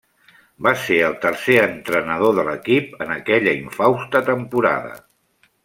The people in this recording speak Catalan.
Va ser el tercer entrenador de l'equip en aquella infausta temporada.